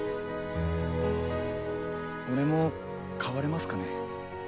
俺も変われますかね。